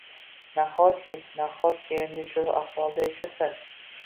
Nahotki, nahotki endi shu ahvolda yashasa?!